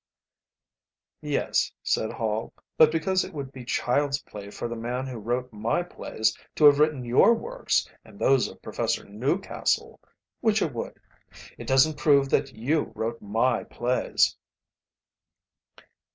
"Yes," said Hall, "but because it would be child's play for the man who wrote my plays to have written your works and those of Professor Newcastle which it would it doesn't prove that you wrote my plays."